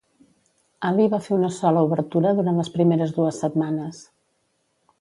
Ali va fer una sola obertura durant les primeres dues setmanes.